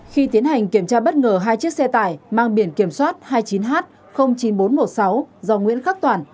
khi tiến hành kiểm tra bất ngờ hai chiếc xe tải mang biển kiểm soát hai mươi chín h chín nghìn bốn trăm một mươi sáu do nguyễn khắc toản